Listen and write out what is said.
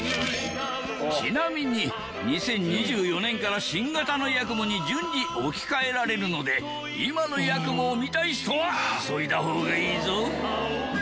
ちなみに２０２４年から新型のやくもに順次置き換えられるので今のやくもを見たい人は急いだ方がいいぞ！